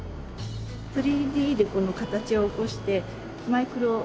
３Ｄでこの形をおこしてマイクロビーズで。